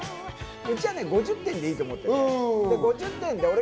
うちはね、５０点でいいと思ってるんですよ。